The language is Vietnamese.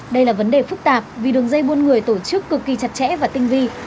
đây là vấn đề phức tạp vì đường dây buôn người tổ chức cực kỳ chặt chẽ và tinh vi